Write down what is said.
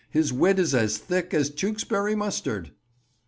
his wit is as thick as Tewkesbury mustard."